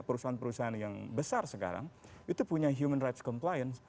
perusahaan perusahaan yang besar sekarang itu punya human rights compliance